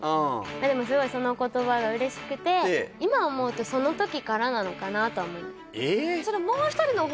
でもすごいその言葉が嬉しくて今思うとそのときからなのかなとは思います